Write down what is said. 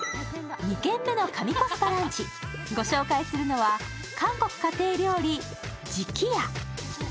２軒目の神コスパランチ、御紹介するのは韓国家庭料理・自起屋。